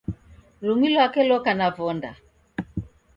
Lumi lwake loka na vonda